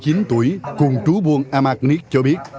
anh nay soan ba mươi chín tuổi cùng chú buôn amak nít cho biết